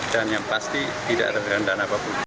dan yang pasti tidak ada dana dana apapun